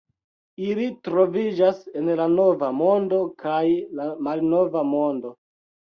Ili troviĝas en la Nova Mondo kaj la Malnova Mondo.